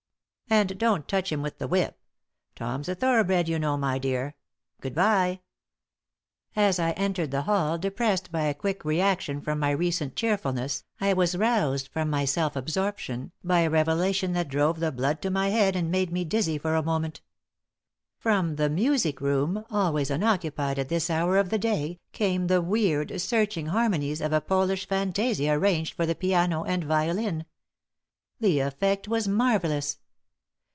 And don't touch him with the whip! Tom's a thoroughbred, you know, my dear. Good bye!" As I entered the hall, depressed by a quick reaction from my recent cheerfulness, I was roused from my self absorption by a revelation that drove the blood to my head and made me dizzy for a moment. From the music room, always unoccupied at this hour of the day, came the weird, searching harmonies of a Polish fantasia arranged for the piano and violin. The effect was marvelous.